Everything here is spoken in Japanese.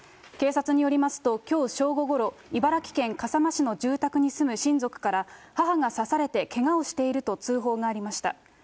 警察によりますと、きょう正午ごろ、茨城県笠間市の住宅に住む親族から、母が刺されてけがをしていると通報がありました。